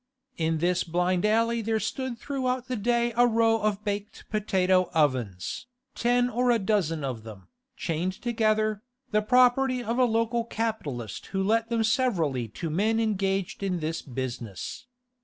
In this blind alley there stood throughout the day a row of baked potato ovens, ten or a dozen of them, chained together, the property of a local capitalist who let them severally to men engaged in this business.